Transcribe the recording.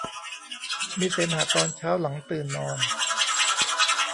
มีเสมหะตอนเช้าหลังตื่นนอน